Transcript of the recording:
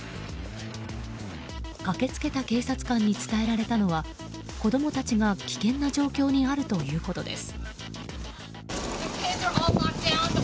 駆け付けた警察官に伝えられたのは子供たちが危険な状況にあるということです。